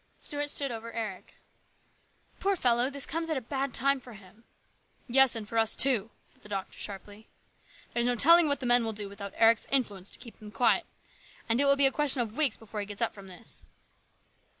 Stuart stood over Eric. " Poor fellow ! This comes at a bad time for him." " Yes, and for us, too !" said the doctor, sharply. " There's no telling what the men will do without Eric's influence to keep them quiet. And it will be a question of weeks before he gets up from this."